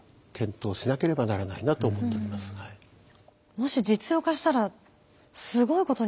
もし実用化したらすごいことになりそうですね。